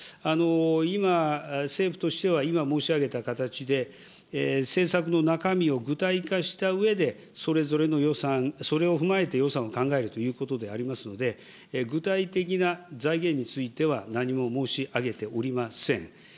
今、政府としては、今申し上げた形で、政策の中身を具体化したうえで、それぞれの予算、それを踏まえて予算を考えるということでありますので、具体的な財源については何も申し上げておりません。